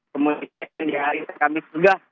kemudian di hari kamis juga